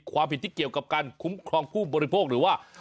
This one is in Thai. ความผิดที่เกี่ยวกับการคุ้มครองผู้บริโภคหรือว่า